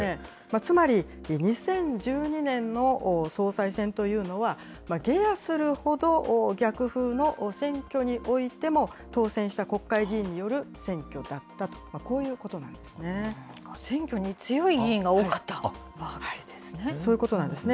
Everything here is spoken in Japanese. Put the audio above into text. つまり、２０１２年の総裁選というのは、下野するほど逆風の選挙においても当選した国会議員による選挙だ選挙に強い議員が多かったわそういうことなんですね。